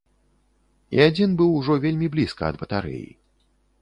І адзін быў ужо вельмі блізка ад батарэі.